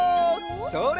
それ！